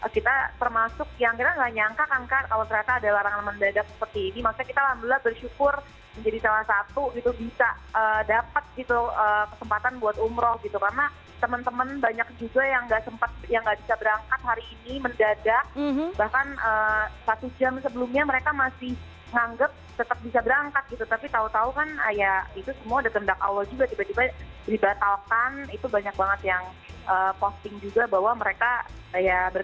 kita termasuk yang kita gak nyangka kan kalau ternyata ada larangan mendadak seperti ini maksudnya kita alhamdulillah bersyukur menjadi salah satu itu bisa dapat gitu kesempatan buat umroh gitu karena teman teman banyak juga yang gak sempat yang gak bisa berangkat hari ini mendadak bahkan satu jam sebelumnya mereka masih nganggep tetap bisa berangkat gitu tapi tau tau kan ya itu semua ada dendak allah juga tiba tiba dibatalkan itu banyak banget yang posting juga bahwa mereka ya berdendak